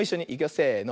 せの。